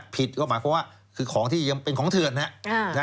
ผิดก็หมายความว่าคือของที่ยังเป็นของเถิดนะ